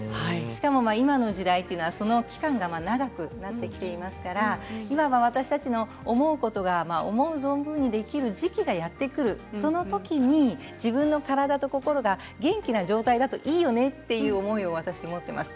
しかも今の時代というのはその期間が長くなってきていますから今は私たちの思うことが思う存分にできる時期がやって来る、そのときに自分の体と心が元気な状態だといいよねというふうに私は思っています。